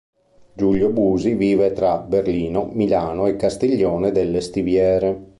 Giulio Busi vive tra Berlino, Milano e Castiglione delle Stiviere.